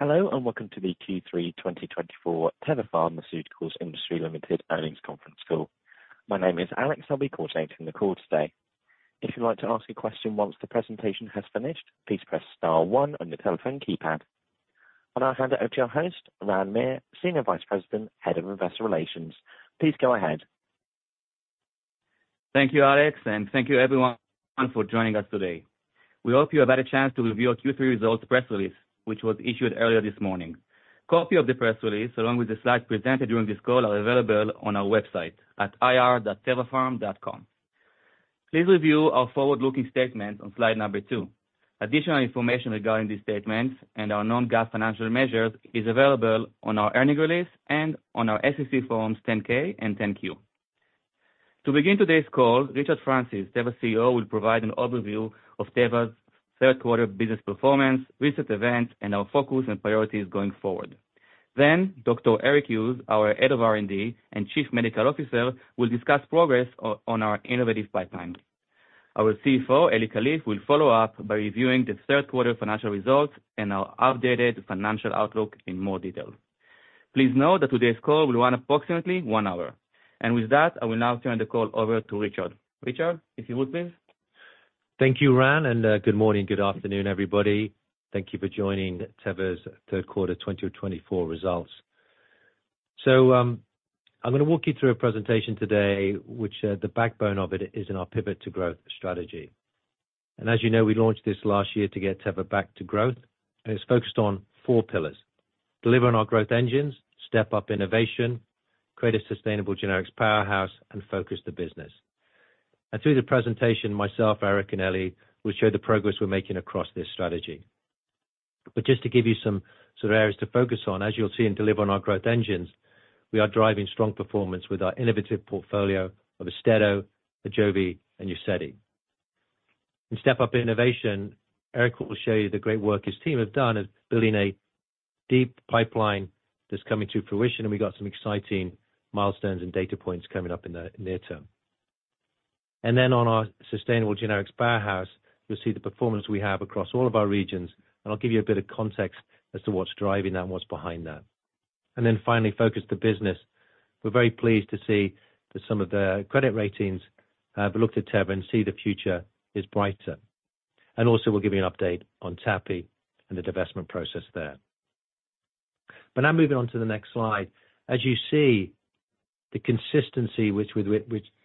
Hello and welcome to the Q3 2024 Teva Pharmaceutical Industries Ltd. Earnings Conference Call. My name is Alex, and I'll be coordinating the call today. If you'd like to ask a question once the presentation has finished, please press star one on your telephone keypad. On our end, I'll have our host, Ran Meir, Senior Vice President, Head of Investor Relations. Please go ahead. Thank you, Alex, and thank you everyone for joining us today. We hope you have had a chance to review our Q3 results press release, which was issued earlier this morning. A copy of the press release, along with the slides presented during this call, are available on our website at ir.teva-pharm.com. Please review our forward-looking statements on slide number two. Additional information regarding these statements and our non-GAAP financial measures is available on our earnings release and on our SEC forms 10K and 10Q. To begin today's call, Richard Francis, Teva CEO, will provide an overview of Teva's Q3 business performance, recent events, and our focus and priorities going forward. Then, Dr. Eric Hughes, our Head of R&D and Chief Medical Officer, will discuss progress on our innovative pipeline. Our CFO, Eli Kalif, will follow up by reviewing the Q3 financial results and our updated financial outlook in more detail. Please note that today's call will run approximately one hour. With that, I will now turn the call over to Richard. Richard, if you would, please. Thank you, Ran, and good morning and good afternoon, everybody. Thank you for joining Teva's Q3 2024 results. I'm going to walk you through a presentation today, which the backbone of it is in our Pivot to Growth strategy. As you know, we launched this last year to get Teva back to growth, and it's focused on four pillars: delivering our growth engines, step up innovation, create a sustainable generics powerhouse, and focus the business. Through the presentation, myself, Eric, and Eli will show the progress we're making across this strategy. Just to give you some sort of areas to focus on, as you'll see, and deliver on our growth engines, we are driving strong performance with our innovative portfolio of Austedo, Ajovy, and Uzedy. In stepping up innovation, Eric will show you the great work his team have done at building a deep pipeline that's coming to fruition, and we've got some exciting milestones and data points coming up in the near term. And then on our sustainable generics powerhouse, you'll see the performance we have across all of our regions, and I'll give you a bit of context as to what's driving that and what's behind that. And then finally, focusing the business. We're very pleased to see that some of the credit ratings have looked at Teva and see the future is brighter. And also, we'll give you an update on TAPI and the divestment process there. But now moving on to the next slide, as you see, the consistency with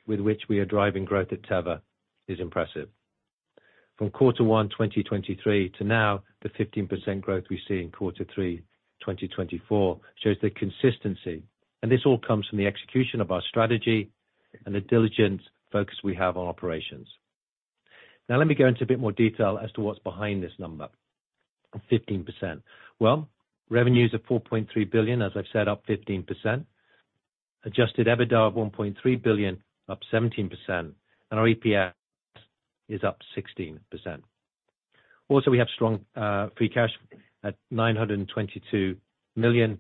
which we are driving growth at Teva is impressive. From quarter one 2023 to now, the 15% growth we see in quarter three 2024 shows the consistency, and this all comes from the execution of our strategy and the diligence focus we have on operations. Now, let me go into a bit more detail as to what's behind this number of 15%. Well, revenues are $4.3 billion, as I've said, up 15%, adjusted EBITDA of $1.3 billion, up 17%, and our EPS is up 16%. Also, we have strong free cash at $922 million,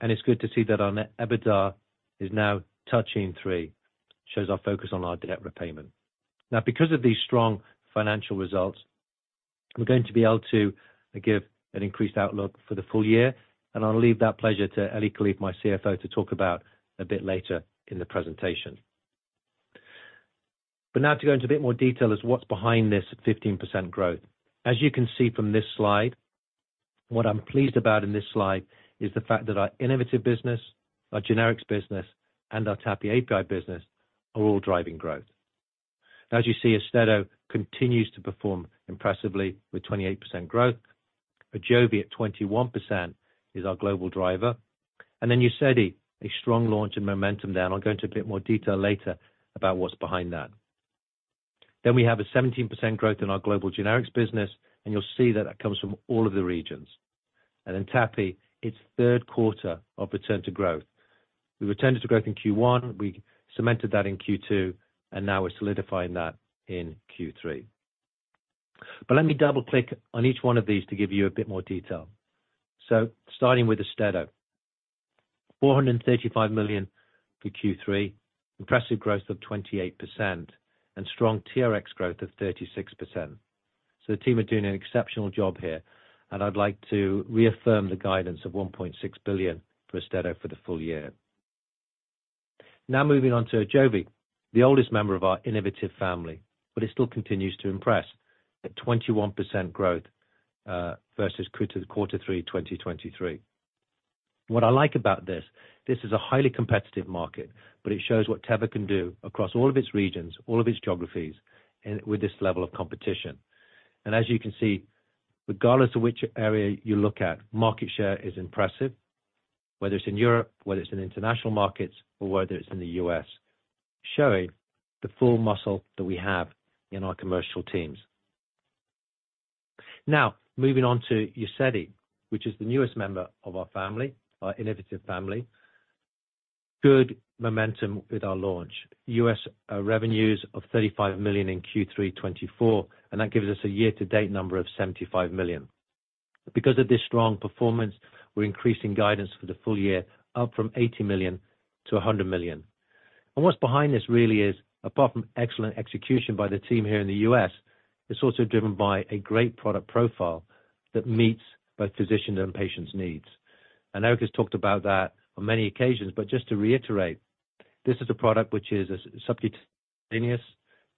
and it's good to see that our EBITDA is now touching $3 billion, shows our focus on our debt repayment. Now, because of these strong financial results, we're going to be able to give an increased outlook for the full year, and I'll leave that pleasure to Eli Kalif, my CFO, to talk about a bit later in the presentation. But now to go into a bit more detail as to what's behind this 15% growth. As you can see from this slide, what I'm pleased about in this slide is the fact that our innovative business, our generics business, and our TAPI API business are all driving growth. As you see, Austedo continues to perform impressively with 28% growth. Ajovy at 21% is our global driver. And then Uzedy, a strong launch and momentum there, and I'll go into a bit more detail later about what's behind that. Then we have a 17% growth in our global generics business, and you'll see that that comes from all of the regions. And then TAPI, its Q3 of return to growth. We returned to growth in Q1, we cemented that in Q2, and now we're solidifying that in Q3. But let me double-click on each one of these to give you a bit more detail. So starting with Austedo, $435 million for Q3, impressive growth of 28%, and strong TRX growth of 36%. So the team are doing an exceptional job here, and I'd like to reaffirm the guidance of $1.6 billion for Austedo for the full year. Now moving on to Ajovy, the oldest member of our innovative family, but it still continues to impress at 21% growth versus quarter three 2023. What I like about this, this is a highly competitive market, but it shows what Teva can do across all of its regions, all of its geographies, with this level of competition. As you can see, regardless of which area you look at, market share is impressive, whether it's in Europe, whether it's in international markets, or whether it's in the U.S., showing the full muscle that we have in our commercial teams. Now, moving on to Uzedy, which is the newest member of our family, our innovative family, good momentum with our launch, U.S. revenues of $35 million in Q3 2024, and that gives us a year-to-date number of $75 million. Because of this strong performance, we're increasing guidance for the full year, up from $80 million to $100 million. What's behind this really is, apart from excellent execution by the team here in the U.S., it's also driven by a great product profile that meets both physicians' and patients' needs. And Eric has talked about that on many occasions, but just to reiterate, this is a product which is a subcutaneous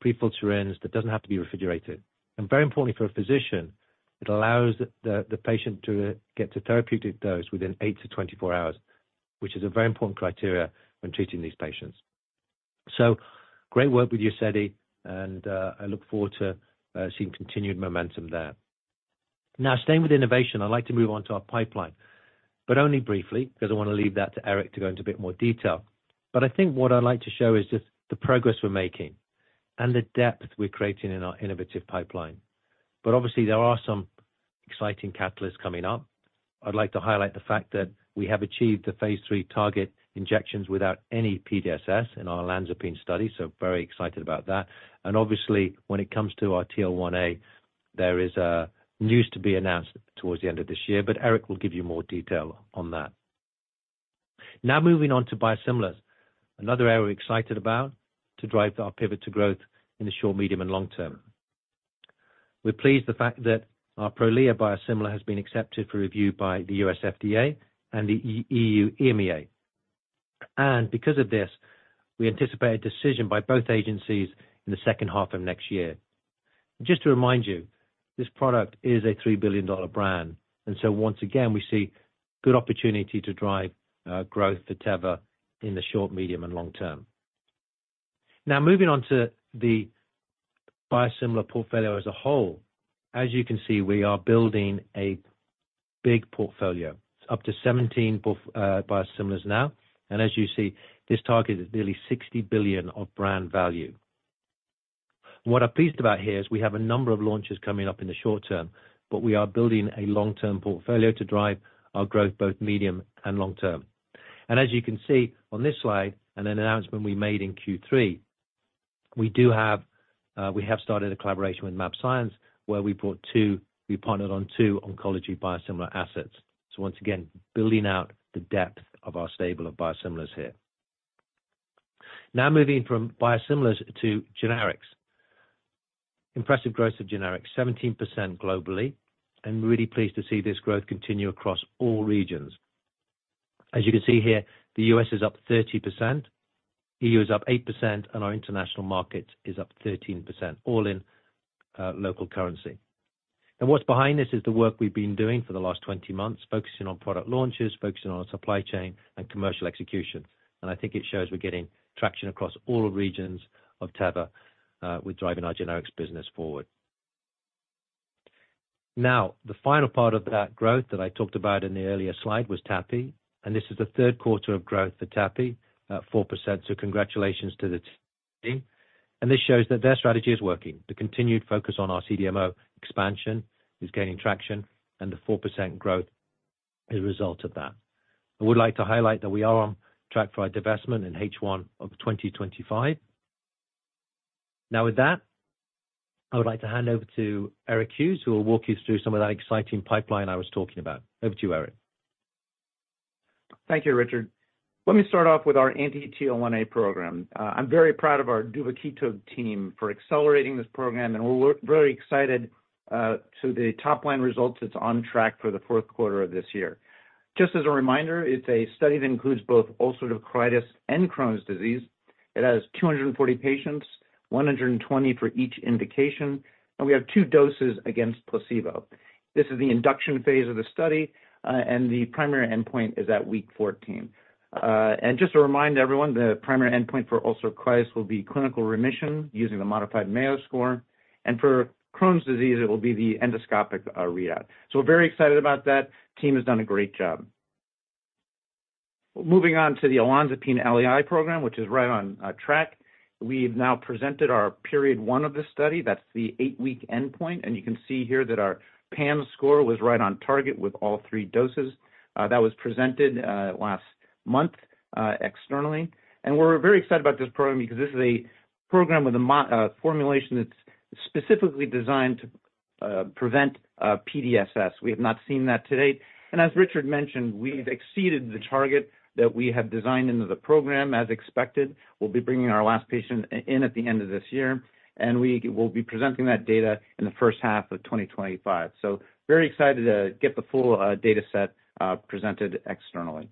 prefilled pens that doesn't have to be refrigerated. And very importantly for a physician, it allows the patient to get to therapeutic dose within eight to 24 hours, which is a very important criteria when treating these patients. So great work with Uzedy, and I look forward to seeing continued momentum there. Now, staying with innovation, I'd like to move on to our pipeline, but only briefly because I want to leave that to Eric to go into a bit more detail. But I think what I'd like to show is just the progress we're making and the depth we're creating in our innovative pipeline. But obviously, there are some exciting catalysts coming up. I'd like to highlight the fact that we have achieved the phase three target injections without any PDSS in our olanzapine study, so very excited about that. And obviously, when it comes to our TL1A, there is news to be announced towards the end of this year, but Eric will give you more detail on that. Now moving on to biosimilars, another area we're excited about to drive our pivot to growth in the short, medium, and long term. We're pleased with the fact that our Prolia biosimilar has been accepted for review by the U.S. FDA and the EU EMA. And because of this, we anticipate a decision by both agencies in the second half of next year. Just to remind you, this product is a $3 billion brand, and so once again, we see good opportunity to drive growth for Teva in the short, medium, and long term. Now, moving on to the biosimilar portfolio as a whole, as you can see, we are building a big portfolio. It's up to 17 biosimilars now, and as you see, this target is nearly $60 billion of brand value. What I'm pleased about here is we have a number of launches coming up in the short term, but we are building a long-term portfolio to drive our growth both medium and long term, and as you can see on this slide, an announcement we made in Q3, we have started a collaboration with Mabxience where we partnered on two oncology biosimilar assets. So once again, building out the depth of our stable of biosimilars here. Now moving from biosimilars to generics. Impressive growth of generics, 17% globally, and really pleased to see this growth continue across all regions. As you can see here, the U.S. is up 30%, EU is up 8%, and our international market is up 13%, all in local currency, and what's behind this is the work we've been doing for the last 20 months, focusing on product launches, focusing on supply chain and commercial execution, and I think it shows we're getting traction across all regions of Teva with driving our generics business forward. Now, the final part of that growth that I talked about in the earlier slide was TAPI, and this is the Q3 of growth for TAPI, 4%, so congratulations to the team. And this shows that their strategy is working. The continued focus on our CDMO expansion is gaining traction, and the 4% growth is a result of that, and this shows that their strategy is working. I would like to highlight that we are on track for our divestment in H1 of 2025. Now, with that, I would like to hand over to Eric Hughes, who will walk you through some of that exciting pipeline I was talking about. Over to you, Eric. Thank you, Richard. Let me start off with our anti-TL1A program. I'm very proud of our duvakitug team for accelerating this program, and we're very excited to the top-line results that's on track for the Q4 of this year. Just as a reminder, it's a study that includes both ulcerative colitis and Crohn's disease. It has 240 patients, 120 for each indication, and we have two doses against placebo. This is the induction phase of the study, and the primary endpoint is at week 14. Just to remind everyone, the primary endpoint for ulcerative colitis will be clinical remission using the modified Mayo Score, and for Crohn's disease, it will be the endoscopic readout. We're very excited about that. The team has done a great job. Moving on to the Olanzapine LAI program, which is right on track. We've now presented our Phase 1 of the study. That's the eight-week endpoint, and you can see here that our PAM score was right on target with all three doses. That was presented last month externally, and we're very excited about this program because this is a program with a formulation that's specifically designed to prevent PDSS. We have not seen that to date, and as Richard mentioned, we've exceeded the target that we have designed into the program as expected. We'll be bringing our last patient in at the end of this year, and we will be presenting that data in the first half of 2025, so very excited to get the full data set presented externally.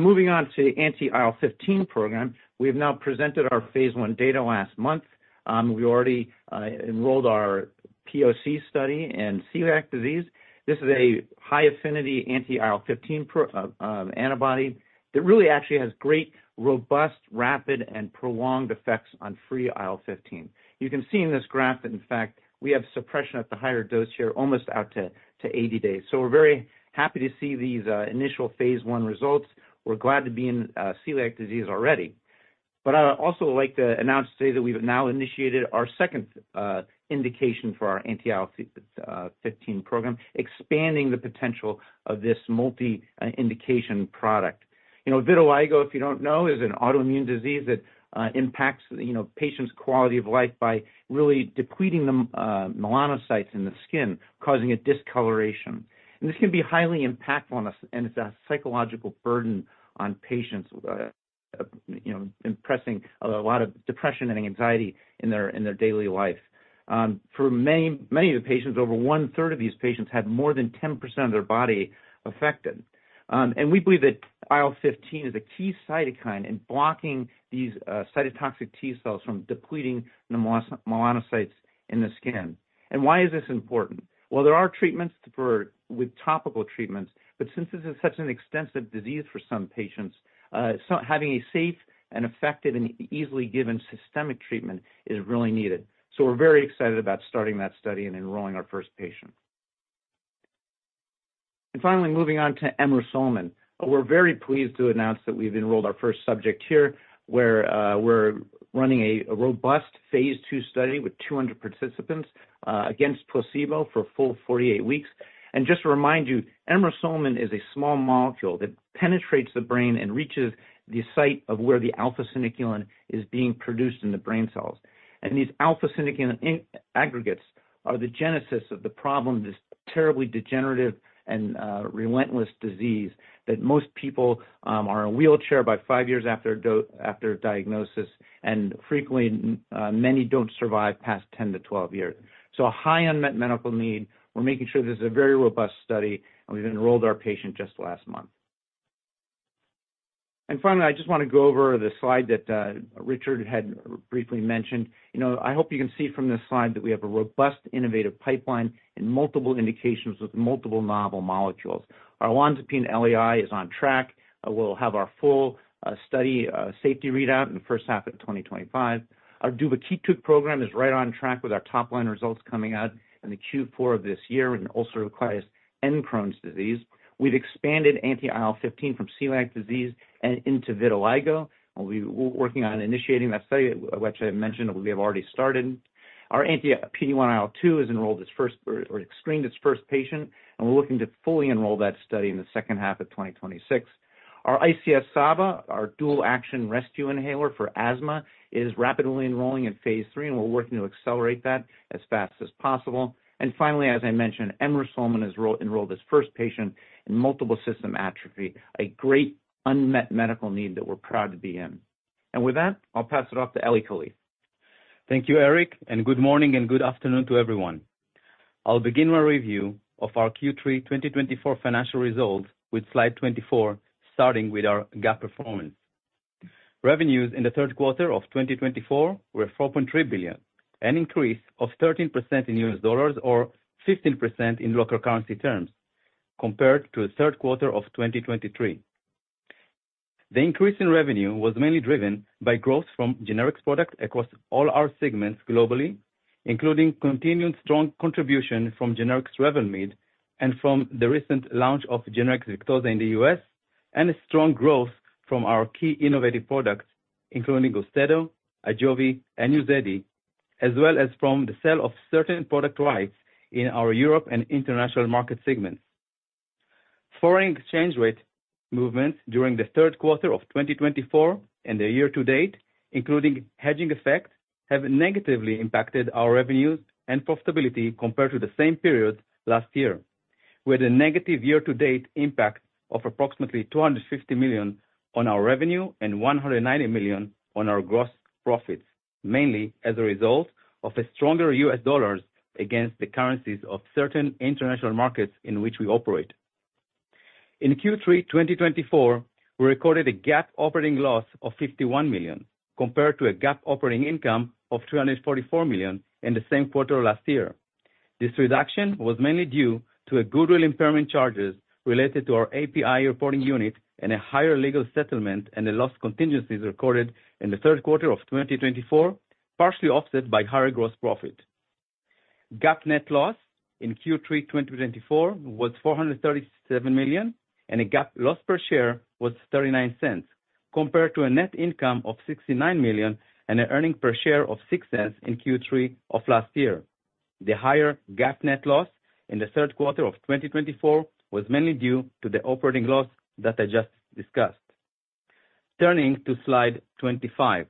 Moving on to the Anti-IL-15 program, we have now presented our phase one data last month. We already enrolled our POC study in Celiac disease. This is a high-affinity anti-IL-15 antibody that really actually has great, robust, rapid, and prolonged effects on free IL-15. You can see in this graph that, in fact, we have suppression at the higher dose here, almost out to 80 days. So we're very happy to see these initial phase 1 results. We're glad to be in Celiac Disease already. But I also like to announce today that we've now initiated our second indication for our anti-IL-15 program, expanding the potential of this multi-indication product. You know, Vitiligo, if you don't know, is an autoimmune disease that impacts patients' quality of life by really depleting the Melanocytes in the skin, causing a discoloration, and this can be highly impactful, and it's a psychological burden on patients, imposing a lot of depression and anxiety in their daily life. For many of the patients, over one-third of these patients had more than 10% of their body affected. And we believe that IL-15 is a key cytokine in blocking these cytotoxic T cells from depleting the melanocytes in the skin. And why is this important? Well, there are treatments with topical treatments, but since this is such an extensive disease for some patients, having a safe and effective and easily given systemic treatment is really needed. So we're very excited about starting that study and enrolling our first patient. And finally, moving on to TEV-56248. We're very pleased to announce that we've enrolled our first subject here, where we're running a robust phase two study with 200 participants against placebo for a full 48 weeks. And just to remind you, TEV-56248 is a small molecule that penetrates the brain and reaches the site of where the alpha-synuclein is being produced in the brain cells. And these alpha-synuclein aggregates are the genesis of the problem, this terribly degenerative and relentless disease that most people are in a wheelchair by five years after diagnosis, and frequently, many don't survive past 10 to 12 years. So a high unmet medical need. We're making sure this is a very robust study, and we've enrolled our patient just last month. And finally, I just want to go over the slide that Richard had briefly mentioned. You know, I hope you can see from this slide that we have a robust innovative pipeline and multiple indications with multiple novel molecules. Our Olanzapine LAI is on track. We'll have our full study safety readout in the first half of 2025. Our Duvakitug program is right on track with our top-line results coming out in the Q4 of this year in ulcerative colitis and Crohn's Disease. We've expanded anti-IL-15 from Celiac Disease and into Vitiligo. We're working on initiating that study, which I mentioned we have already started. Our anti-PD-1 IL-2 has enrolled its first or screened its first patient, and we're looking to fully enroll that study in the second half of 2026. Our ICS/SABA, our dual-action rescue inhaler for asthma, is rapidly enrolling in phase 3, and we're working to accelerate that as fast as possible. And finally, as I mentioned, TEV-56248 has enrolled its first patient in Multiple System Atrophy, a great unmet medical need that we're proud to be in. And with that, I'll pass it off to Eli Kalif. Thank you, Eric, and good morning and good afternoon to everyone. I'll begin my review of our Q3 2024 financial results with slide 24, starting with our GAAP performance. Revenues in the Q3 of 2024 were $4.3 billion, an increase of 13% in US dollars or 15% in local currency terms, compared to the Q3 of 2023. The increase in revenue was mainly driven by growth from generic products across all our segments globally, including continued strong contribution from generic revenue and from the recent launch of generic Victoza in the US, and strong growth from our key innovative products, including Austedo, Ajovy, and Uzedy, as well as from the sale of certain product rights in our Europe and international market segments. Foreign exchange rate movements during the Q3 of 2024 and the year to date, including hedging effect, have negatively impacted our revenues and profitability compared to the same period last year. We had a negative year-to-date impact of approximately $250 million on our revenue and $190 million on our gross profits, mainly as a result of stronger U.S. dollars against the currencies of certain international markets in which we operate. In Q3 2024, we recorded a GAAP operating loss of $51 million, compared to a GAAP operating income of $344 million in the same quarter last year. This reduction was mainly due to goodwill impairment charges related to our API reporting unit and a higher legal settlement and the loss contingencies recorded in the Q3 of 2024, partially offset by higher gross profit. GAAP net loss in Q3 2024 was $437 million, and a GAAP loss per share was $0.39, compared to a net income of $69 million and an earnings per share of $0.06 in Q3 of last year. The higher GAAP net loss in the Q3 of 2024 was mainly due to the operating loss that I just discussed. Turning to slide 25,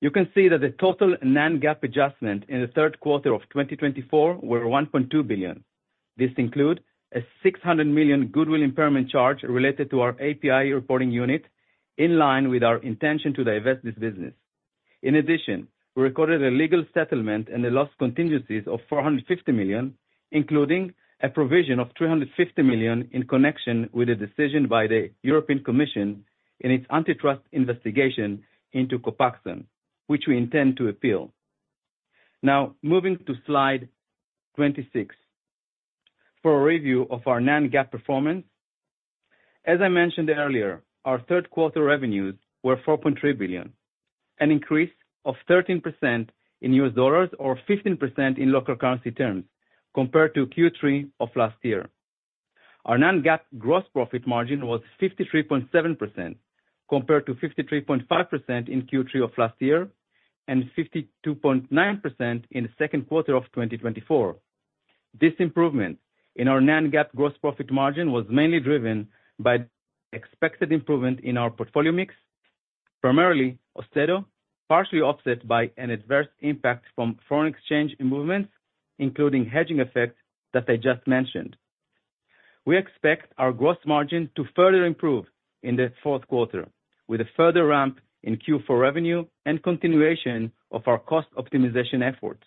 you can see that the total non-GAAP adjustment in the Q3 of 2024 was $1.2 billion. This includes a $600 million goodwill impairment charge related to our API reporting unit, in line with our intention to divest this business. In addition, we recorded a legal settlement and the loss contingencies of $450 million, including a provision of $350 million in connection with a decision by the European Commission in its antitrust investigation into Copaxone, which we intend to appeal. Now, moving to slide 26 for a review of our non-GAAP performance. As I mentioned earlier, our Q3 revenues were $4.3 billion, an increase of 13% in US dollars or 15% in local currency terms, compared to Q3 of last year. Our non-GAAP gross profit margin was 53.7%, compared to 53.5% in Q3 of last year and 52.9% in the Q2 of 2024. This improvement in our non-GAAP gross profit margin was mainly driven by expected improvement in our portfolio mix, primarily Austedo, partially offset by an adverse impact from foreign exchange movements, including hedging effects that I just mentioned. We expect our gross margin to further improve in the Q4, with a further ramp in Q4 revenue and continuation of our cost optimization efforts.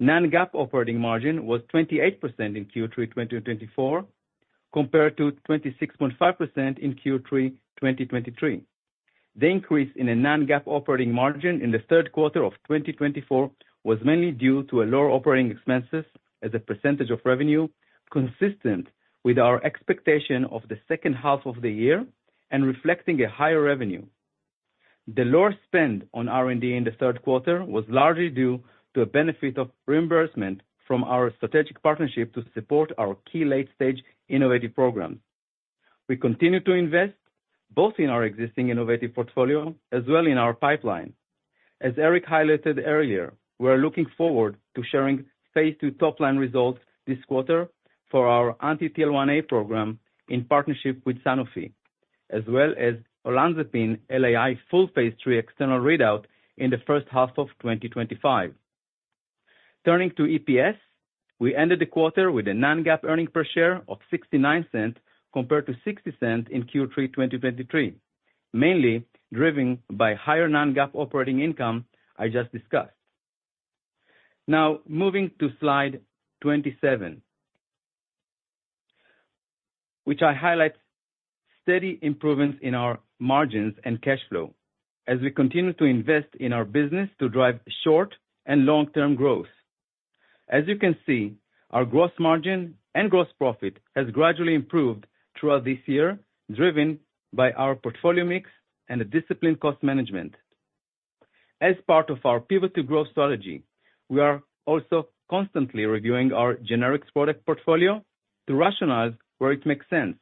Non-GAAP operating margin was 28% in Q3 2024, compared to 26.5% in Q3 2023. The increase in Non-GAAP operating margin in the Q3 of 2024 was mainly due to lower operating expenses as a percentage of revenue, consistent with our expectation of the second half of the year and reflecting a higher revenue. The lower spend on R&D in the Q3 was largely due to a benefit of reimbursement from our strategic partnership to support our key late-stage innovative programs. We continue to invest both in our existing innovative portfolio as well as in our pipeline. As Eric highlighted earlier, we're looking forward to sharing phase 2 top-line results this quarter for our anti-TL1A program in partnership with Sanofi, as well as olanzapine LAI full phase 3 external readout in the first half of 2025. Turning to EPS, we ended the quarter with a non-GAAP earnings per share of $0.69, compared to $0.60 in Q3 2023, mainly driven by higher non-GAAP operating income I just discussed. Now, moving to slide 27, which highlights steady improvements in our margins and cash flow as we continue to invest in our business to drive short- and long-term growth. As you can see, our gross margin and gross profit have gradually improved throughout this year, driven by our portfolio mix and a disciplined cost management. As part of our Pivot to Growth strategy, we are also constantly reviewing our generics product portfolio to rationalize where it makes sense,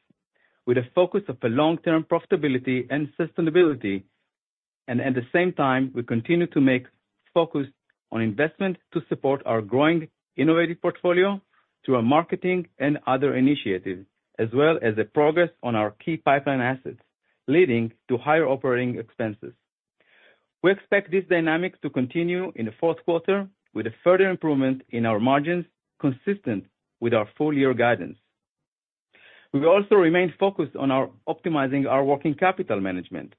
with a focus on long-term profitability and sustainability. At the same time, we continue to make focus on investment to support our growing innovative portfolio through our marketing and other initiatives, as well as progress on our key pipeline assets, leading to higher operating expenses. We expect this dynamic to continue in the Q4, with a further improvement in our margins, consistent with our full-year guidance. We also remain focused on optimizing our working capital management.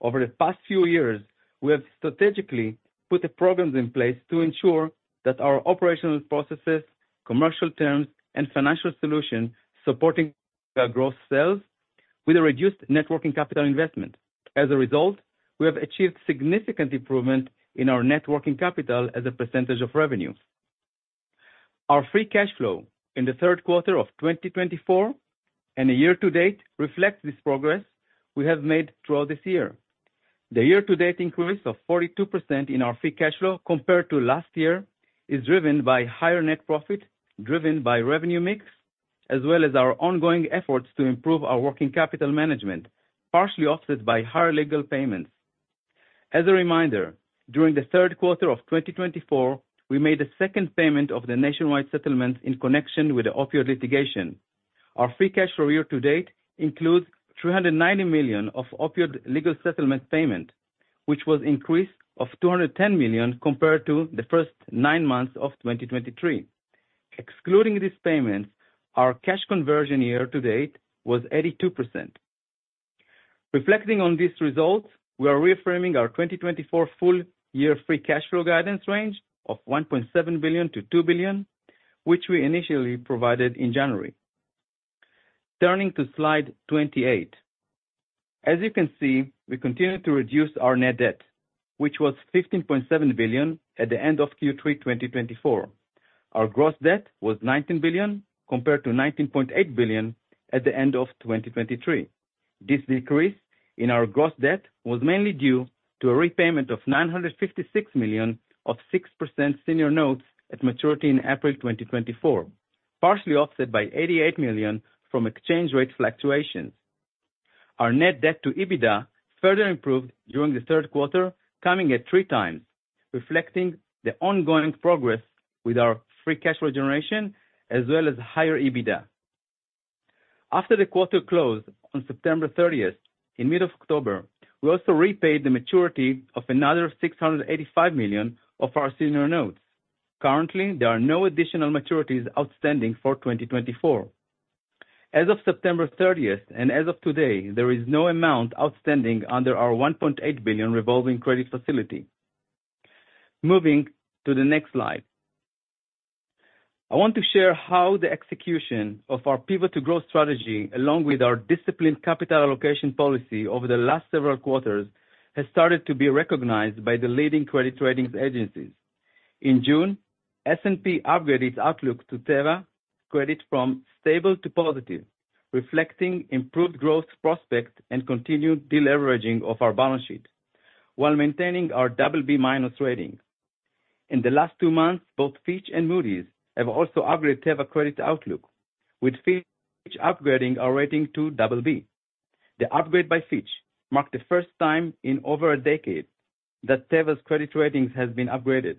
Over the past few years, we have strategically put the programs in place to ensure that our operational processes, commercial terms, and financial solutions support our gross sales with a reduced net working capital investment. As a result, we have achieved significant improvement in our net working capital as a percentage of revenue. Our Free Cash Flow in the Q3 of 2024 and the year to date reflects this progress we have made throughout this year. The year-to-date increase of 42% in our free cash flow, compared to last year, is driven by higher net profit, driven by revenue mix, as well as our ongoing efforts to improve our working capital management, partially offset by higher legal payments. As a reminder, during the Q3 of 2024, we made a second payment of the nationwide settlement in connection with the opioid litigation. Our free cash flow year-to-date includes $390 million of opioid legal settlement payment, which was an increase of $210 million compared to the first nine months of 2023. Excluding these payments, our cash conversion year-to-date was 82%. Reflecting on these results, we are reaffirming our 2024 full-year free cash flow guidance range of $1.7 billion-$2 billion, which we initially provided in January. Turning to slide 28, as you can see, we continue to reduce our net debt, which was $15.7 billion at the end of Q3 2024. Our gross debt was $19 billion, compared to $19.8 billion at the end of 2023. This decrease in our gross debt was mainly due to a repayment of $956 million of 6% senior notes at maturity in April 2024, partially offset by $88 million from exchange rate fluctuations. Our net debt to EBITDA further improved during the Q3, coming at three times, reflecting the ongoing progress with our free cash flow generation, as well as higher EBITDA. After the quarter closed on September 30, in mid-October, we also repaid the maturity of another $685 million of our senior notes. Currently, there are no additional maturities outstanding for 2024. As of September 30 and as of today, there is no amount outstanding under our $1.8 billion revolving credit facility. Moving to the next slide, I want to share how the execution of our Pivot to Growth strategy, along with our disciplined capital allocation policy over the last several quarters, has started to be recognized by the leading credit ratings agencies. In June, S&P upgraded its outlook to Teva's credit from stable to positive, reflecting improved growth prospects and continued deleveraging of our balance sheet while maintaining our BB- rating. In the last two months, both Fitch and Moody's have also upgraded Teva's credit outlook, with Fitch upgrading our rating to BB. The upgrade by Fitch marked the first time in over a decade that Teva's credit ratings have been upgraded.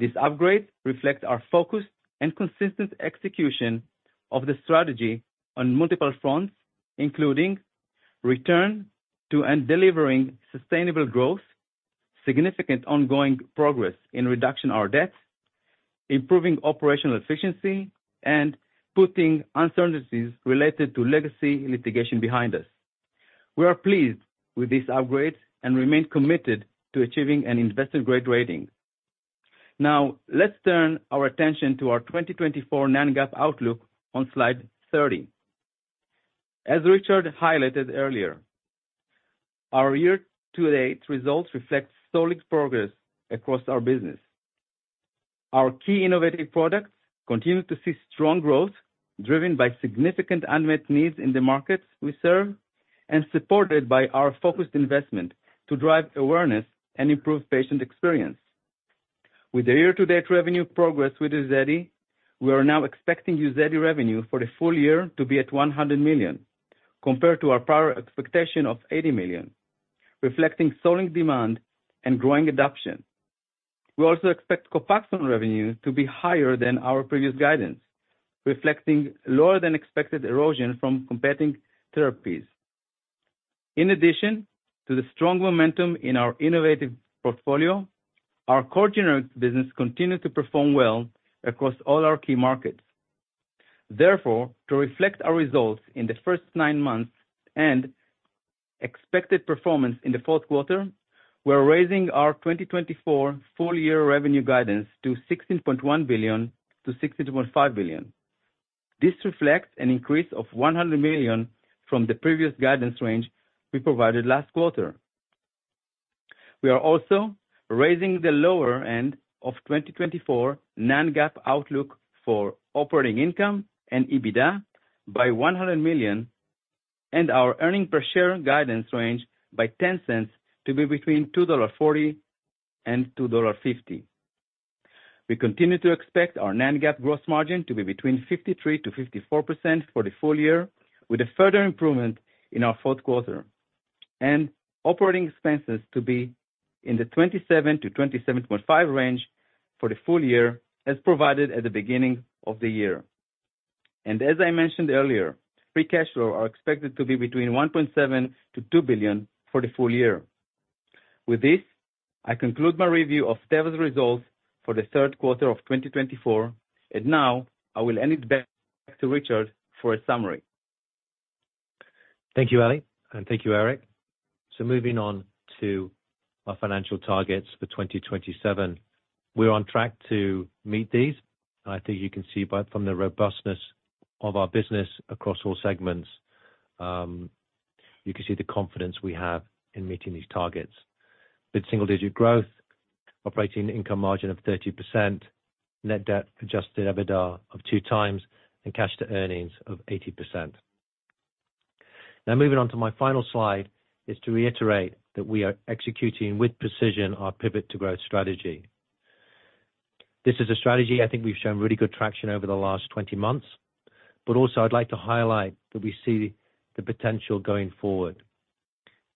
This upgrade reflects our focused and consistent execution of the strategy on multiple fronts, including return to and delivering sustainable growth, significant ongoing progress in reducing our debt, improving operational efficiency, and putting uncertainties related to legacy litigation behind us. We are pleased with this upgrade and remain committed to achieving an investor-grade rating. Now, let's turn our attention to our 2024 non-GAAP outlook on Slide 30. As Richard highlighted earlier, our year-to-date results reflect solid progress across our business. Our key innovative products continue to see strong growth, driven by significant unmet needs in the markets we serve and supported by our focused investment to drive awareness and improve patient experience. With the year-to-date revenue progress with Uzedy, we are now expecting Uzedy revenue for the full year to be at $100 million, compared to our prior expectation of $80 million, reflecting solid demand and growing adoption. We also expect Copaxone revenue to be higher than our previous guidance, reflecting lower-than-expected erosion from competing therapies. In addition to the strong momentum in our innovative portfolio, our core generics business continues to perform well across all our key markets. Therefore, to reflect our results in the first nine months and expected performance in the Q4, we're raising our 2024 full-year revenue guidance to $16.1 billion-$16.5 billion. This reflects an increase of $100 million from the previous guidance range we provided last quarter. We are also raising the lower end of 2024 non-GAAP outlook for operating income and EBITDA by $100 million and our earnings per share guidance range by 10 cents to be between $2.40 and $2.50. We continue to expect our non-GAAP gross margin to be between 53%-54% for the full year, with a further improvement in our Q4 and operating expenses to be in the 27%-27.5% range for the full year, as provided at the beginning of the year. And as I mentioned earlier, free cash flow is expected to be between $1.7 billion-$2 billion for the full year. With this, I conclude my review of Teva's results for the Q3 of 2024. And now, I will hand it back to Richard for a summary. Thank you, Eli, and thank you, Eric. So moving on to our financial targets for 2027, we're on track to meet these. I think you can see from the robustness of our business across all segments, you can see the confidence we have in meeting these targets: single-digit growth, operating income margin of 30%, net debt adjusted EBITDA of two times, and cash-to-earnings of 80%. Now, moving on to my final slide, it's to reiterate that we are executing with precision our Pivot to Growth strategy. This is a strategy I think we've shown really good traction over the last 20 months. But also, I'd like to highlight that we see the potential going forward.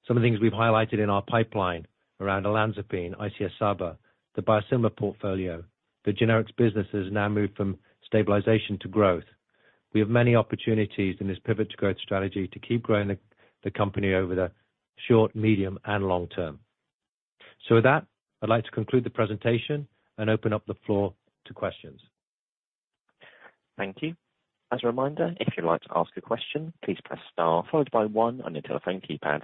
Some of the things we've highlighted in our pipeline around Olanzapine, ICS/SABA, the biosimilar portfolio, the generics business has now moved from stabilization to growth. We have many opportunities in this Pivot to Growth strategy to keep growing the company over the short, medium, and long term. So with that, I'd like to conclude the presentation and open up the floor to questions. Thank you. As a reminder, if you'd like to ask a question, please press star, followed by one on your telephone keypad.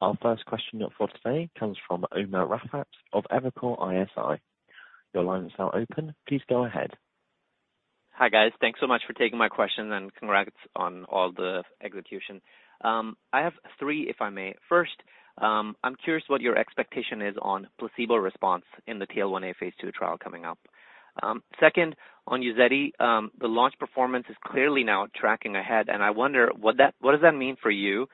Our first question for today comes from Umer Raffat of Evercore ISI. Your line is now open. Please go ahead. Hi, guys. Thanks so much for taking my question and congrats on all the execution. I have three, if I may. First, I'm curious what your expectation is on placebo response in the TL1A phase two trial coming up. Second, on Uzedy, the launch performance is clearly now tracking ahead. And I wonder, what does that mean for you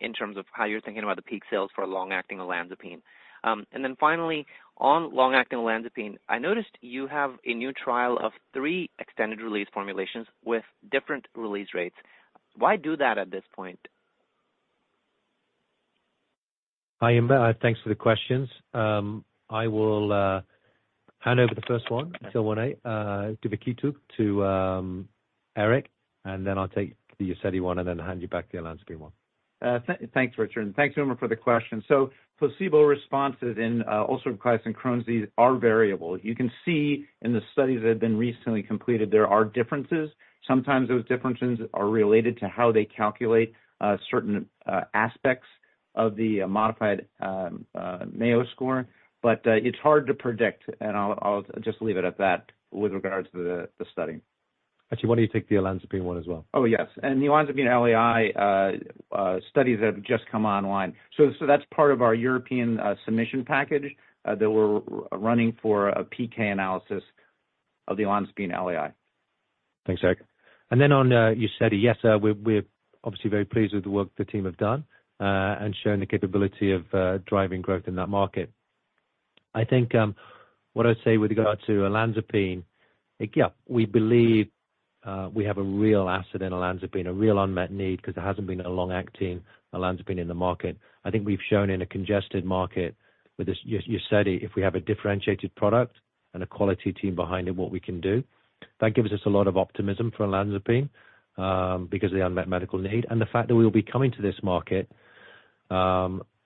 in terms of how you're thinking about the peak sales for long-acting olanzapine? Then finally, on long-acting olanzapine, I noticed you have a new trial of three extended-release formulations with different release rates. Why do that at this point? Hi, Umer. Thanks for the questions. I will hand over the first one, TL1A, give it to Eric and then I'll take the Uzedy one and then hand you back the olanzapine one. Thanks, Richard. And thanks, Umer, for the question. So placebo responses in ulcerative colitis and Crohn's disease are variable. You can see in the studies that have been recently completed, there are differences. Sometimes those differences are related to how they calculate certain aspects of the modified Mayo score. But it's hard to predict. And I'll just leave it at that with regards to the study. Actually, why don't you take the olanzapine one as well? Oh, yes. And the olanzapine LAI studies that have just come online. So that's part of our European submission package that we're running for a PK analysis of the Olanzapine LAI. Thanks, Eric. And then on Uzedy, yes, we're obviously very pleased with the work the team have done and shown the capability of driving growth in that market. I think what I'd say with regard to Olanzapine, yeah, we believe we have a real asset in Olanzapine, a real unmet need because there hasn't been a long-acting Olanzapine in the market. I think we've shown in a congested market with Uzedy, if we have a differentiated product and a quality team behind it, what we can do. That gives us a lot of optimism for Olanzapine because of the unmet medical need. And the fact that we will be coming to this market,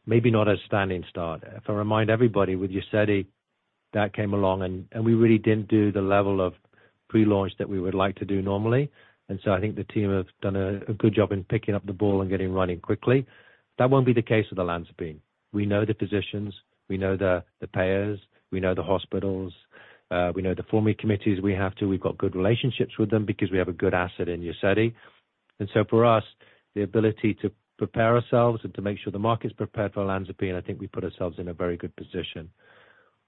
maybe not a standing start. If I remind everybody, with Uzedy, that came along and we really didn't do the level of pre-launch that we would like to do normally. And so I think the team have done a good job in picking up the ball and getting running quickly. That won't be the case with olanzapine. We know the physicians, we know the payers, we know the hospitals, we know the formulary committees we have to. We've got good relationships with them because we have a good asset in Uzedy. And so for us, the ability to prepare ourselves and to make sure the market's prepared for olanzapine, I think we put ourselves in a very good position.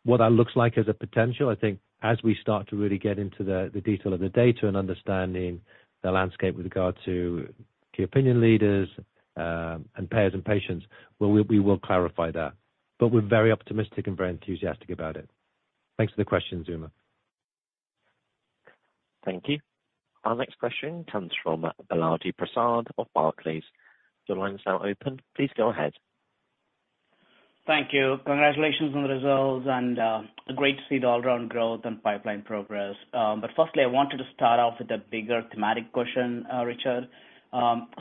What that looks like as a potential, I think as we start to really get into the detail of the data and understanding the landscape with regard to key opinion leaders and payers and patients, we will clarify that. But we're very optimistic and very enthusiastic about it. Thanks for the questions, Umer. Thank you. Our next question comes from Balaji Prasad of Barclays. Your line is now open. Please go ahead. Thank you. Congratulations on the results. And great to see the all-around growth and pipeline progress. But firstly, I wanted to start off with a bigger thematic question, Richard.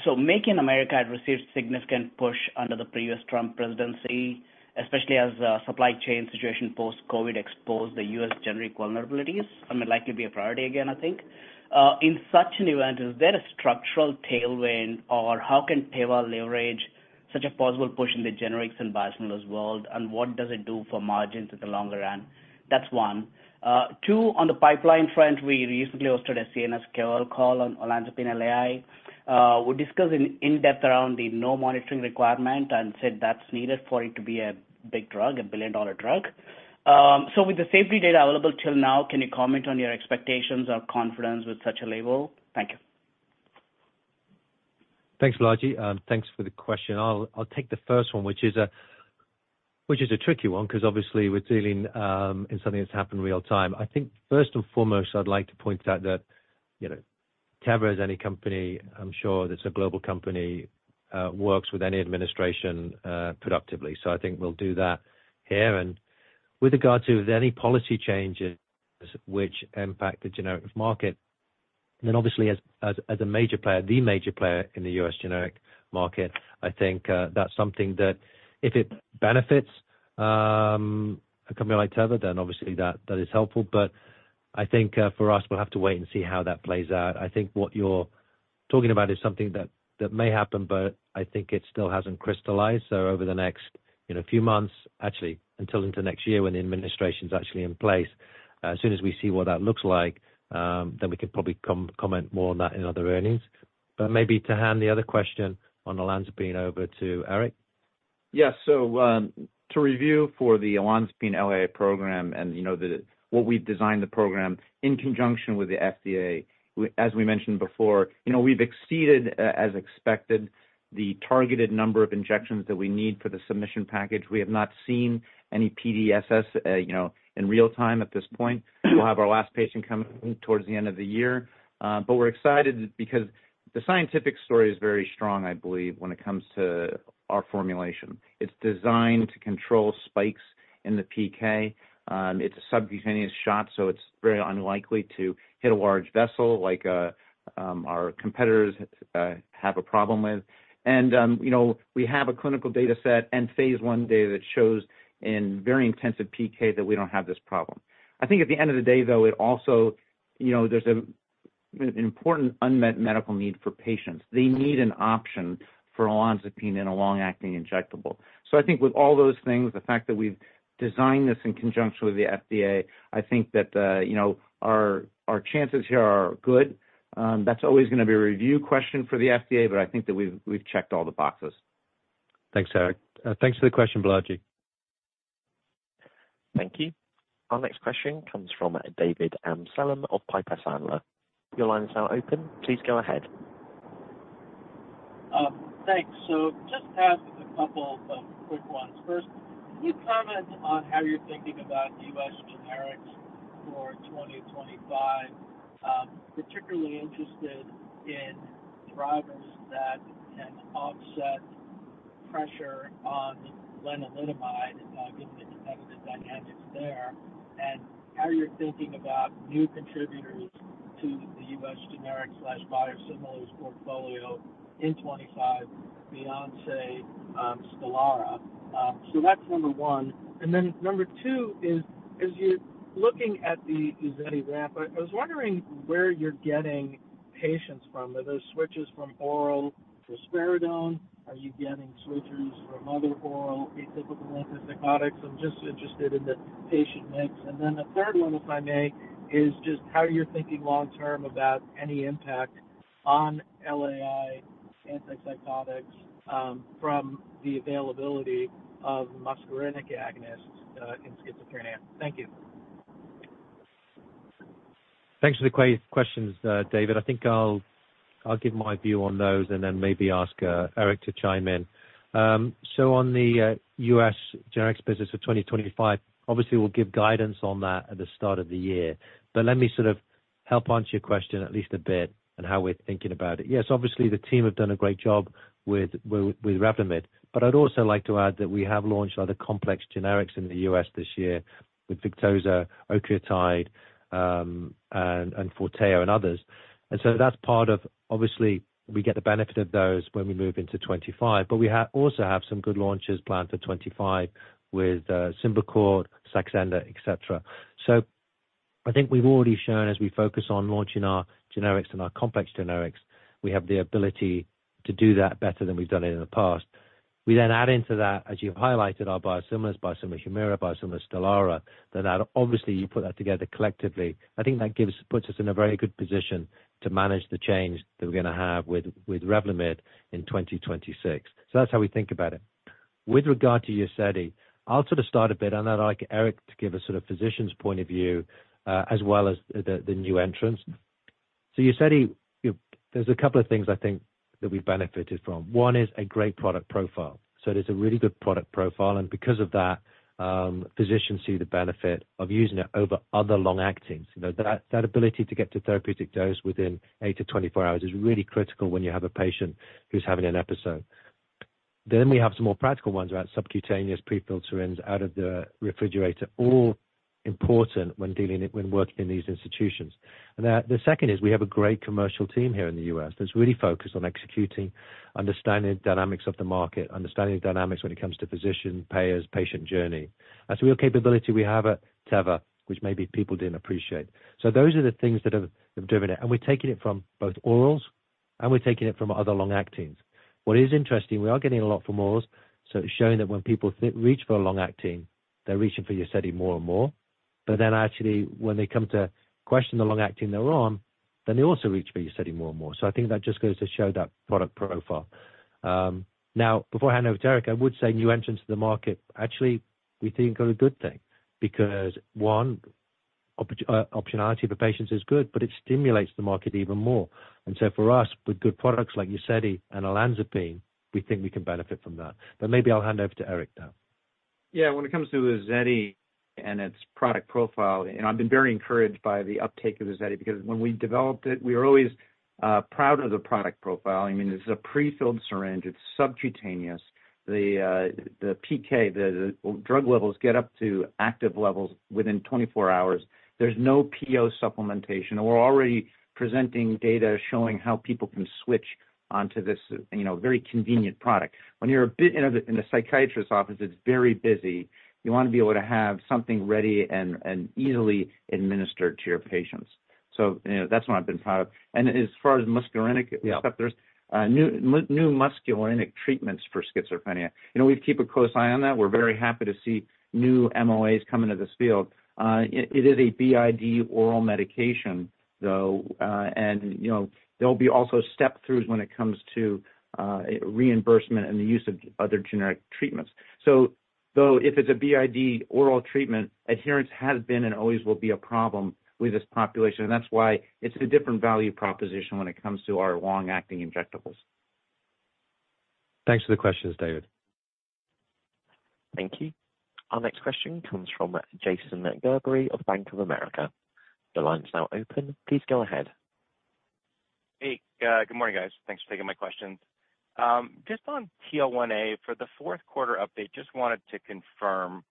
So Make in America had received significant push under the previous Trump presidency, especially as the supply chain situation post-COVID exposed the U.S. generic vulnerabilities and would likely be a priority again, I think. In such an event, is there a structural tailwind, or how can Teva leverage such a possible push in the generics and biosimilars world, and what does it do for margins in the longer run? That's one. Two, on the pipeline front, we recently hosted a CNS KOL call on Olanzapine LAI. We discussed in depth around the no-monitoring requirement and said that's needed for it to be a big drug, a billion-dollar drug. So with the safety data available till now, can you comment on your expectations or confidence with such a label? Thank you. Thanks, Balaji. Thanks for the question. I'll take the first one, which is a tricky one because obviously we're dealing in something that's happened in real time. I think first and foremost, I'd like to point out that Teva, as any company, I'm sure that's a global company, works with any administration productively. So I think we'll do that here. And with regard to any policy changes which impact the generic market, then obviously as a major player, the major player in the U.S. generic market, I think that's something that if it benefits a company like Teva, then obviously that is helpful. But I think for us, we'll have to wait and see how that plays out. I think what you're talking about is something that may happen, but I think it still hasn't crystallized. So over the next few months, actually until into next year when the administration's actually in place, as soon as we see what that looks like, then we can probably comment more on that in other earnings. But maybe to hand the other question on Olanzapine over to Eric. Yes. So to review for the Olanzapine LAI program and what we've designed the program in conjunction with the FDA, as we mentioned before, we've exceeded, as expected, the targeted number of injections that we need for the submission package. We have not seen any PDSS in real time at this point. We'll have our last patient coming towards the end of the year. But we're excited because the scientific story is very strong, I believe, when it comes to our formulation. It's designed to control spikes in the PK. It's a subcutaneous shot, so it's very unlikely to hit a large vessel like our competitors have a problem with. And we have a clinical data set and phase one data that shows in very intensive PK that we don't have this problem. I think at the end of the day, though, it also there's an important unmet medical need for patients. They need an option for olanzapine in a long-acting injectable. So I think with all those things, the fact that we've designed this in conjunction with the FDA, I think that our chances here are good. That's always going to be a review question for the FDA, but I think that we've checked all the boxes. Thanks, Eric. Thanks for the question, Balaji. Thank you. Our next question comes from David Amsellem of Piper Sandler. Your line is now open. Please go ahead. Thanks. So just ask a couple of quick ones. First, can you comment on how you're thinking about US generics for 2025? Particularly interested in drivers that can offset pressure on lenalidomide given the competitive dynamics there. How you're thinking about new contributors to the U.S. generic/biosimilars portfolio in 2025, Bendeka, Stelara. So that's number one. And then number two is, as you're looking at the Uzedy ramp, I was wondering where you're getting patients from. Are those switches from oral risperidone? Are you getting switches from other oral atypical antipsychotics? I'm just interested in the patient mix. And then the third one, if I may, is just how you're thinking long term about any impact on LAI antipsychotics from the availability of muscarinic agonists in schizophrenia. Thank you. Thanks for the questions, David. I think I'll give my view on those and then maybe ask Eric to chime in. So on the U.S. generics business for 2025, obviously we'll give guidance on that at the start of the year. But let me sort of help answer your question at least a bit and how we're thinking about it. Yes, obviously the team have done a great job with Revlimid. But I'd also like to add that we have launched other complex generics in the U.S. this year with Victoza, Octreotide, and Forteo, and others. And so that's part of obviously we get the benefit of those when we move into 2025. But we also have some good launches planned for 2025 with Symbicort, Saxenda, etc. So I think we've already shown as we focus on launching our generics and our complex generics, we have the ability to do that better than we've done it in the past. We then add into that, as you've highlighted, our biosimilars, biosimilar Humira, biosimilar Stelara. Then obviously you put that together collectively. I think that puts us in a very good position to manage the change that we're going to have with Revlimid in 2026. So that's how we think about it. With regard to Uzedy, I'll sort of start a bit. I'd like Eric to give a sort of physician's point of view as well as the new entrants. So Uzedy, there's a couple of things I think that we've benefited from. One is a great product profile. So it is a really good product profile. And because of that, physicians see the benefit of using it over other long-actings. That ability to get to therapeutic dose within eight to 24 hours is really critical when you have a patient who's having an episode. Then we have some more practical ones about subcutaneous pre-filled syringes out of the refrigerator, all important when working in these institutions. And the second is we have a great commercial team here in the U.S. that's really focused on executing, understanding the dynamics of the market, understanding the dynamics when it comes to physician, payers, patient journey. That's a real capability we have at Teva, which maybe people didn't appreciate. So those are the things that have driven it. And we're taking it from both orals and we're taking it from other long-actings. What is interesting, we are getting a lot from orals. So it's showing that when people reach for a long-acting, they're reaching for Uzedy more and more. But then actually when they come to question the long-acting they're on, then they also reach for Uzedy more and more. So I think that just goes to show that product profile. Now, before I hand over to Eric, I would say new entrants to the market, actually we think are a good thing because one, optionality for patients is good, but it stimulates the market even more, and so for us, with good products like Uzedy and Olanzapine, we think we can benefit from that, but maybe I'll hand over to Eric now. Yeah. When it comes to Uzedy and its product profile, I've been very encouraged by the uptake of Uzedy because when we developed it, we were always proud of the product profile. I mean, it's a prefilled syringe. It's subcutaneous. The PK, the drug levels get up to active levels within 24 hours. There's no PO supplementation. And we're already presenting data showing how people can switch onto this very convenient product. When you're in a psychiatrist's office, it's very busy. You want to be able to have something ready and easily administered to your patients. So that's what I've been proud of. And as far as muscarinic stuff, there's new muscarinic treatments for schizophrenia. We keep a close eye on that. We're very happy to see new MOAs come into this field. It is a BID oral medication, though. And there'll be also step-throughs when it comes to reimbursement and the use of other generic treatments. So though if it's a BID oral treatment, adherence has been and always will be a problem with this population. And that's why it's a different value proposition when it comes to our long-acting injectables. Thanks for the questions, David. Thank you. Our next question comes from Jason Gerberry of Bank of America. The line is now open. Please go ahead. Hey, good morning, guys. Thanks for taking my questions. Just on TL1A, for the Q4 update, just wanted to confirm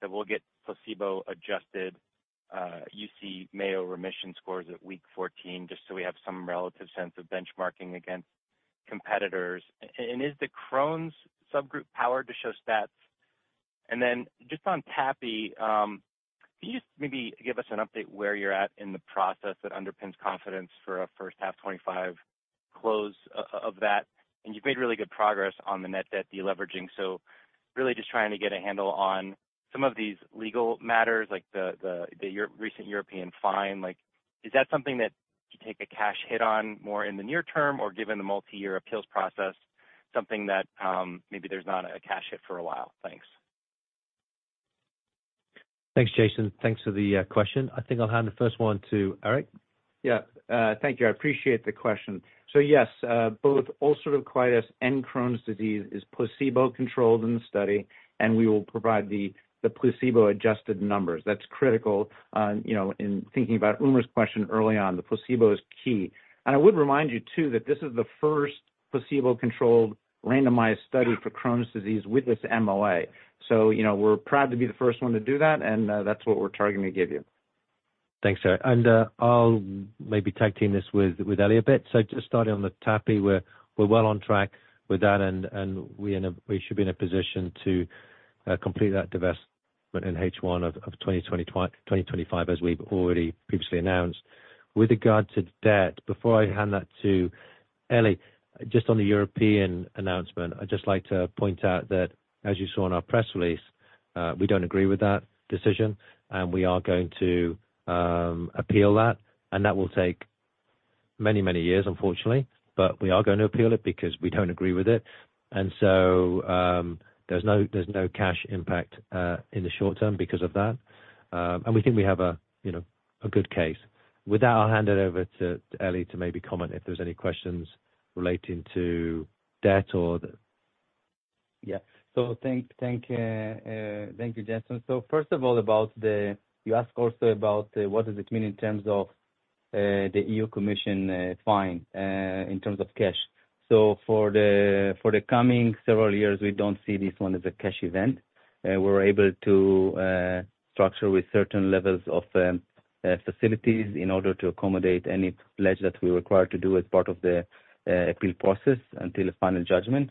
that we'll get placebo-adjusted UC Mayo remission scores at week 14, just so we have some relative sense of benchmarking against competitors. And is the Crohn's subgroup powered to show stats? And then just on TAPI, can you just maybe give us an update where you're at in the process that underpins confidence for a first half 2025 close of that? And you've made really good progress on the net debt deleveraging. So really just trying to get a handle on some of these legal matters, like the recent European fine. Is that something that you take a cash hit on more in the near term or given the multi-year appeals process, something that maybe there's not a cash hit for a while? Thanks. Thanks, Jason. Thanks for the question. I think I'll hand the first one to Eric. Yeah. Thank you. I appreciate the question. So yes, both ulcerative colitis and Crohn's disease is placebo-controlled in the study, and we will provide the placebo-adjusted numbers. That's critical in thinking about Umar's question early on. The placebo is key, and I would remind you too that this is the first placebo-controlled randomized study for Crohn's disease with this MOA. So we're proud to be the first one to do that, and that's what we're targeting to give you. Thanks, Eric, and I'll maybe tag team this with Ellie a bit. So just starting on the TAPI, we're well on track with that, and we should be in a position to complete that divestment in H1 of 2025, as we've already previously announced. With regard to debt, before I hand that to Eli, just on the European announcement, I'd just like to point out that, as you saw in our press release, we don't agree with that decision, and we are going to appeal that. And that will take many, many years, unfortunately, but we are going to appeal it because we don't agree with it. And so there's no cash impact in the short term because of that. And we think we have a good case. With that, I'll hand it over to Eli to maybe comment if there's any questions relating to debt. So thank you, Jason. So first of all, you asked also about what does it mean in terms of the EU Commission fine in terms of cash. So for the coming several years, we don't see this one as a cash event. We're able to structure with certain levels of facilities in order to accommodate any pledge that we're required to do as part of the appeal process until the final judgment.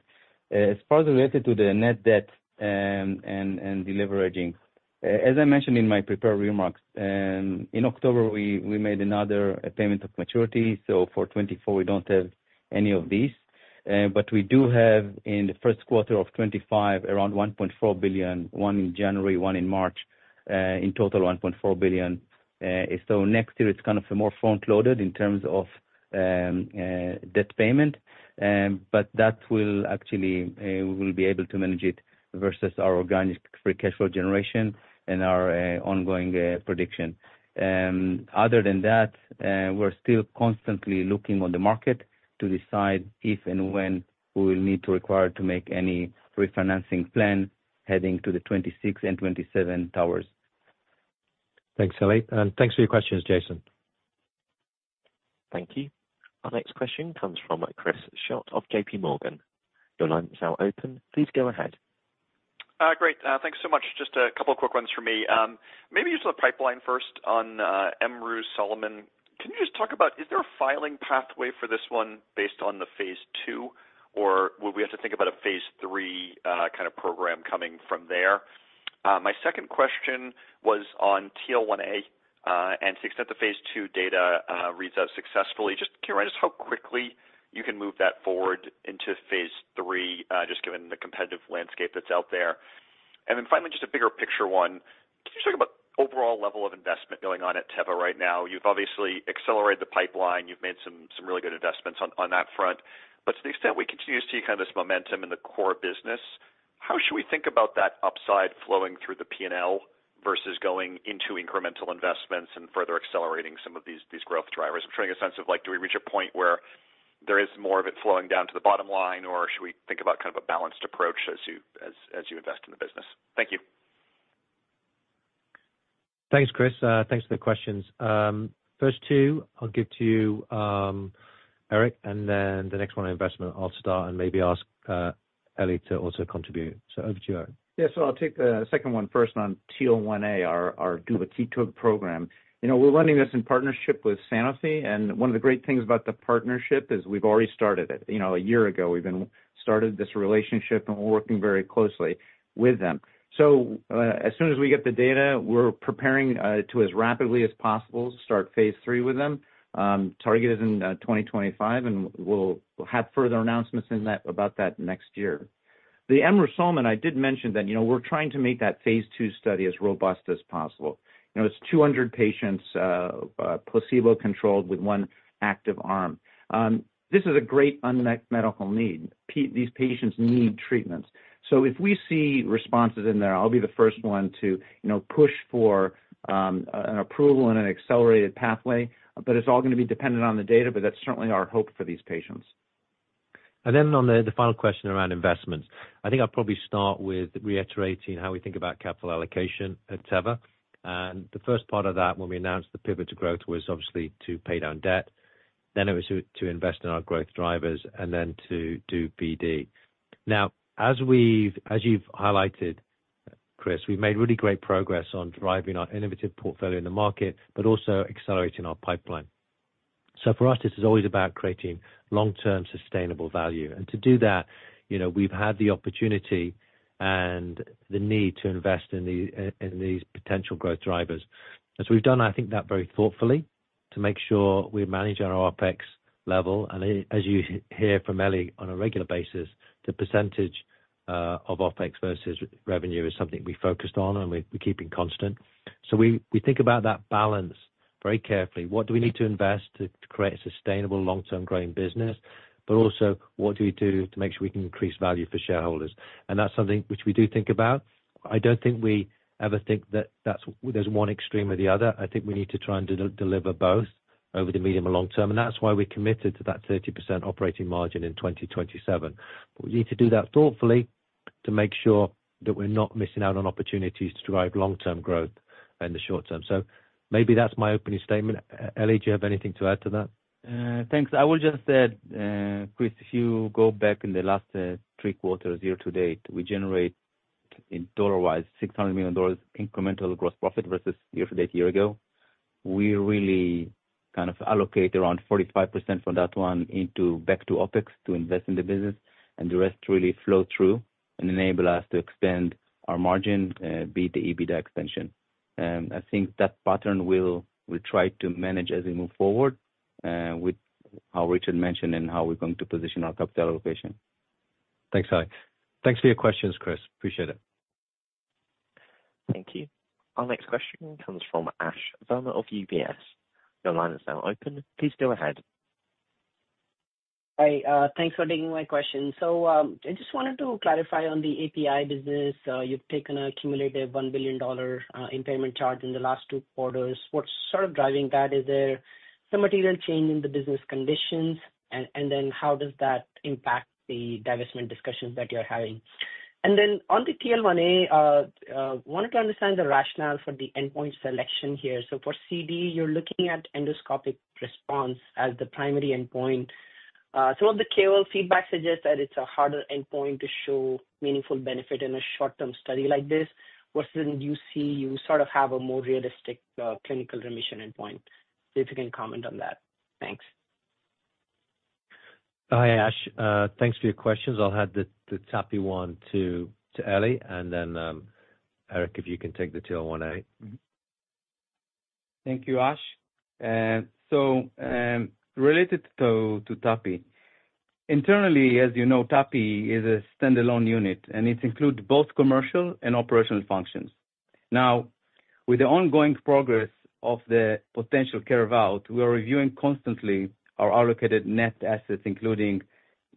As far as related to the net debt and deleveraging, as I mentioned in my prepared remarks, in October, we made another payment of maturity. So for 2024, we don't have any of these. But we do have in the Q1 of 2025, around $1.4 billion, one in January, one in March, in total $1.4 billion. So next year, it's kind of more front-loaded in terms of debt payment. But that will actually we will be able to manage it versus our organic free cash flow generation and our ongoing prediction. Other than that, we're still constantly looking on the market to decide if and when we will need to require to make any refinancing plan heading to the 2026 and 2027 towers. Thanks, Eli. And thanks for your questions, Jason. Thank you. Our next question comes from Chris Schott of J.P. Morgan. Your line is now open. Please go ahead. Great. Thanks so much. Just a couple of quick ones for me. Maybe use the pipeline first on TEV-56248. Can you just talk about is there a filing pathway for this one based on the phase two, or will we have to think about a phase three kind of program coming from there? My second question was on TL1A, and to the extent the phase two data reads out successfully, just can you remind us how quickly you can move that forward into phase three, just given the competitive landscape that's out there? And then finally, just a bigger picture one, can you just talk about the overall level of investment going on at Teva right now? You've obviously accelerated the pipeline. You've made some really good investments on that front. But to the extent we continue to see kind of this momentum in the core business, how should we think about that upside flowing through the P&L versus going into incremental investments and further accelerating some of these growth drivers? I'm trying to get a sense of, do we reach a point where there is more of it flowing down to the bottom line, or should we think about kind of a balanced approach as you invest in the business? Thank you. Thanks, Chris. Thanks for the questions. First two, I'll give to you, Eric, and then the next one, investment, I'll start and maybe ask Eli to also contribute. So over to you, Eric. Yeah. So I'll take the second one first on TL1A, our Duvakitug program. We're running this in partnership with Sanofi. And one of the great things about the partnership is we've already started it. A year ago, we've started this relationship, and we're working very closely with them. So as soon as we get the data, we're preparing to, as rapidly as possible, start phase 3 with them. Target is in 2025, and we'll have further announcements about that next year. The TEV-56248, I did mention that we're trying to make that phase 2 study as robust as possible. It's 200 patients placebo-controlled with one active arm. This is a great unmet medical need. These patients need treatments. If we see responses in there, I'll be the first one to push for an approval and an accelerated pathway. It's all going to be dependent on the data, but that's certainly our hope for these patients. On the final question around investments, I think I'll probably start with reiterating how we think about capital allocation at Teva. The first part of that, when we announced the Pivot to Growth, was obviously to pay down debt. It was to invest in our growth drivers and then to do BD. Now, as you've highlighted, Chris, we've made really great progress on driving our innovative portfolio in the market, but also accelerating our pipeline. So for us, this is always about creating long-term sustainable value. And to do that, we've had the opportunity and the need to invest in these potential growth drivers. And so we've done, I think, that very thoughtfully to make sure we manage our OpEx level. And as you hear from Eli on a regular basis, the percentage of OpEx versus revenue is something we focused on, and we're keeping constant. So we think about that balance very carefully. What do we need to invest to create a sustainable, long-term growing business? But also, what do we do to make sure we can increase value for shareholders? And that's something which we do think about. I don't think we ever think that there's one extreme or the other. I think we need to try and deliver both over the medium and long term. And that's why we're committed to that 30% operating margin in 2027. But we need to do that thoughtfully to make sure that we're not missing out on opportunities to drive long-term growth in the short term. So maybe that's my opening statement. Eli, do you have anything to add to that? Thanks. I will just add, Chris, if you go back in the last three quarters, year to date, we generate dollar-wise $600 million incremental gross profit versus year to date, year ago. We really kind of allocate around 45% from that one back to OpEx to invest in the business, and the rest really flow through and enable us to expand our margin, be it the EBITDA expansion. I think that pattern we'll try to manage as we move forward with how Richard mentioned and how we're going to position our capital allocation. Thanks, Eli. Thanks for your questions, Chris. Appreciate it. Thank you. Our next question comes from Ash Verma of UBS. Your line is now open. Please go ahead. Hi. Thanks for taking my question. So I just wanted to clarify on the API business. You've taken a cumulative $1 billion impairment charge in the last two quarters. What's sort of driving that? Is there some material change in the business conditions? And then how does that impact the divestment discussions that you're having? And then on the TL1A, I wanted to understand the rationale for the endpoint selection here. So for CD, you're looking at endoscopic response as the primary endpoint. Some of the KOL feedback suggests that it's a harder endpoint to show meaningful benefit in a short-term study like this, versus in UC, you sort of have a more realistic clinical remission endpoint. If you can comment on that, thanks. Hi, Ash. Thanks for your questions. I'll hand the TAPI one to Eli. And then Eric, if you can take the TL1A. Thank you, Ash. So related to TAPI, internally, as you know, TAPI is a standalone unit, and it includes both commercial and operational functions. Now, with the ongoing progress of the potential carve-out, we are reviewing constantly our allocated net assets, including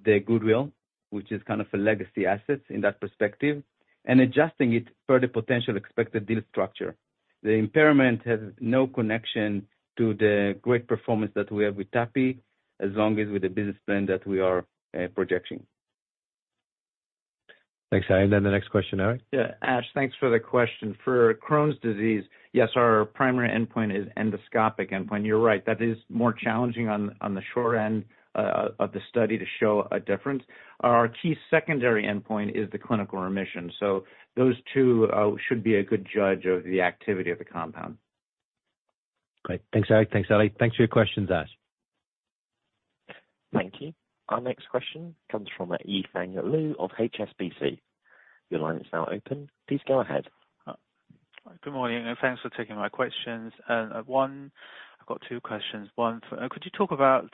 the Goodwill, which is kind of a legacy asset in that perspective, and adjusting it per the potential expected deal structure. The impairment has no connection to the great performance that we have with TAPI, as well as with the business plan that we are projecting. Thanks, Eli. Then the next question, Eric. Yeah. Ash, thanks for the question. For Crohn's disease, yes, our primary endpoint is endoscopic endpoint. You're right. That is more challenging on the short end of the study to show a difference. Our key secondary endpoint is the clinical remission. So those two should be a good judge of the activity of the compound. Great. Thanks, Eric. Thanks, Eli. Thanks for your questions, Ash. Thank you. Our next question comes from Ethan Lu of HSBC. Your line is now open. Please go ahead. Good morning. Thanks for taking my questions. I've got two questions. One, could you talk about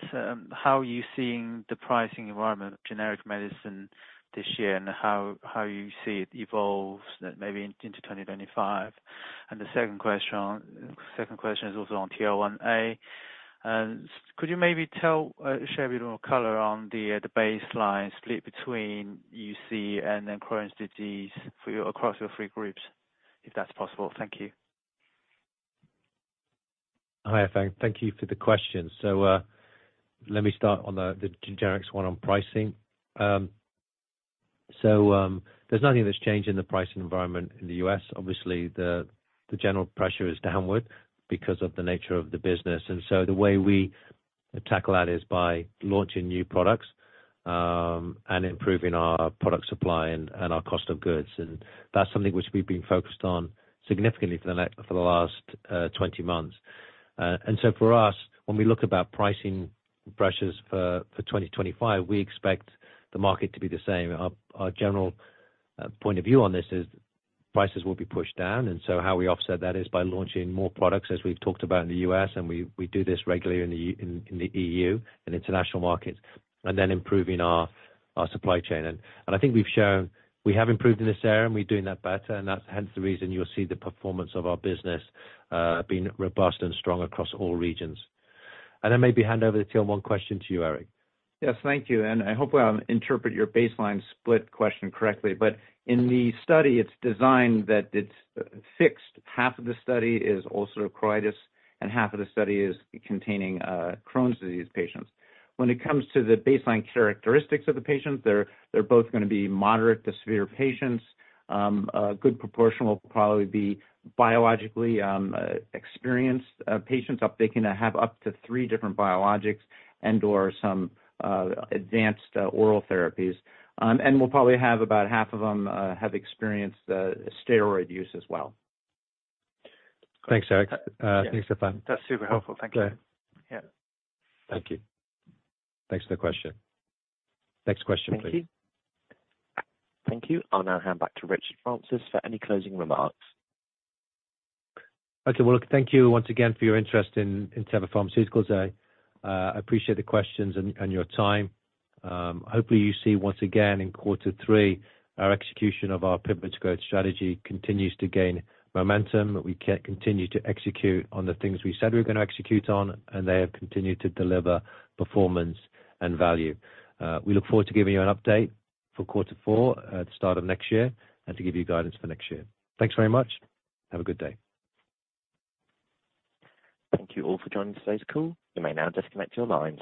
how you're seeing the pricing environment of generic medicine this year and how you see it evolve maybe into 2025? And the second question is also on TL1A. Could you maybe share a bit more color on the baseline split between UC and then Crohn's disease across your three groups, if that's possible? Thank you. Hi, thank you for the question. So let me start on the generics one on pricing. So there's nothing that's changed in the pricing environment in the U.S. Obviously, the general pressure is downward because of the nature of the business. And so the way we tackle that is by launching new products and improving our product supply and our cost of goods. And that's something which we've been focused on significantly for the last 20 months. So for us, when we look about pricing pressures for 2025, we expect the market to be the same. Our general point of view on this is prices will be pushed down. How we offset that is by launching more products, as we've talked about in the U.S., and we do this regularly in the E.U. and international markets, and then improving our supply chain. I think we've shown we have improved in this area, and we're doing that better. That's hence the reason you'll see the performance of our business being robust and strong across all regions. Then maybe hand over the TL1A question to you, Eric. Yes, thank you. I hope I interpret your baseline split question correctly. In the study, it's designed that it's fixed. Half of the study is ulcerative colitis, and half of the study is containing Crohn's disease patients. When it comes to the baseline characteristics of the patients, they're both going to be moderate to severe patients. Good proportion will probably be biologically experienced patients. They can have up to three different biologics and/or some advanced oral therapies. And we'll probably have about half of them have experienced steroid use as well. Thanks, Eric. Thanks for that. That's super helpful. Thank you. Yeah. Thank you. Thanks for the question. Next question, please. Thank you. Thank you. I'll now hand back to Richard Francis for any closing remarks. Okay. Well, look, thank you once again for your interest in Teva Pharmaceuticals. I appreciate the questions and your time. Hopefully, you see once again in quarter three, our execution of our Pivot to Growth strategy continues to gain momentum. We continue to execute on the things we said we were going to execute on, and they have continued to deliver performance and value. We look forward to giving you an update for quarter four at the start of next year and to give you guidance for next year. Thanks very much. Have a good day. Thank you all for joining today's call. You may now disconnect your lines.